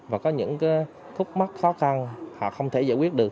và có những cái thúc mắc khó khăn họ không thể giải quyết được